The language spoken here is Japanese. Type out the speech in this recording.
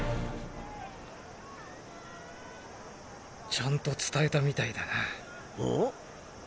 ちゃんと伝えたみたいだな。